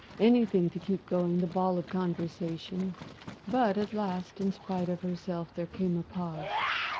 Anything to keep going the ball of conversation! But at last, in spite of herself, there came a pause.